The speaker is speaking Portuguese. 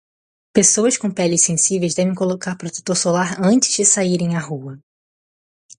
Pessoas com peles sensíveis devem colocar protetor solar antes de saírem à rua.